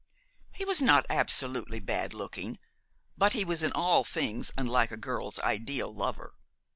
He was not absolutely bad looking but he was in all things unlike a girl's ideal lover.